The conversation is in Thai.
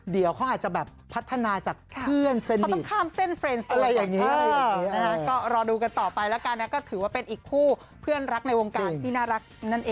เดี๋ยวเขาอาจจะแบบพัฒนาจากเพื่อนเส้นอีก